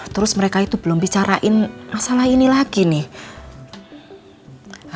terus mereka itu belum bicarain masalah ini lagi nih